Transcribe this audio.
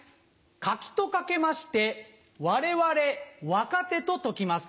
柿と掛けましてわれわれ若手と解きます。